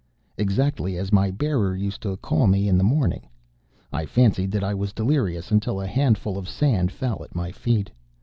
exactly as my bearer used to call me in the morning I fancied that I was delirious until a handful of sand fell at my feet.